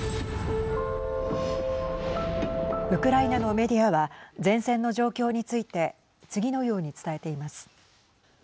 ウクライナのメディアは前線の状況について次のように伝えています。